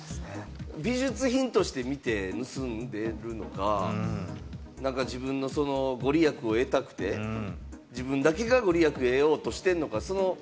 美術品として見て盗んでるのか、自分の御利益を得たくて、自分だけが御利益を得ようとしてるのか。